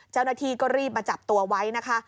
เจ้าหน้าที่ก็รีบมาจับตัวไว้นะคะ